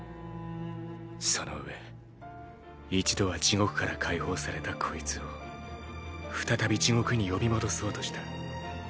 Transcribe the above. そのうえ一度は地獄から解放されたこいつを再び地獄に呼び戻そうとした。